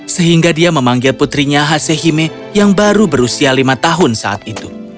sehingga dia memanggil putrinya hasehime yang baru berusia lima tahun saat itu